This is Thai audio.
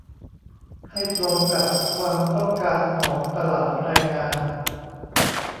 ให้ตรงกับความต้องการของตลาดแรงงาน